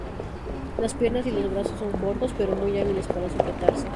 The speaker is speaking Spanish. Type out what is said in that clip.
Las piernas y los brazos son cortos, pero muy hábiles para sujetarse.